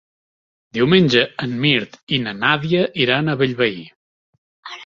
Diumenge en Mirt i na Nàdia iran a Bellvei.